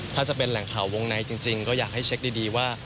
ถ้าจะเป็นแหล่งข่าววงในจริงก็อยากให้เช็คดีว่า